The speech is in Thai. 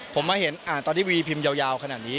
ผมมาเห็นอ่านตอนที่วีพิมพ์ยาวขนาดนี้